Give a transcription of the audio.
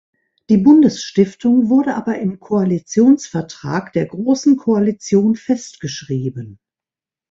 Die Bundesstiftung wurde aber im Koalitionsvertrag der großen Koalition festgeschrieben.